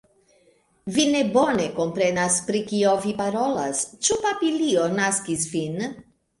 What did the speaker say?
Vi ne bone komprenas pri kio vi parolas, ĉu papilio naskis vin?